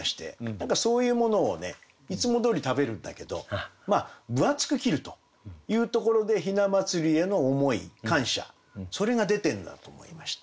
何かそういうものをねいつもどおり食べるんだけど分厚く切るというところで雛祭への思い感謝それが出てるなと思いまして。